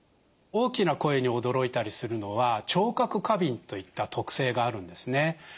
大きな声に驚いたりするのは聴覚過敏といった特性があるんですね。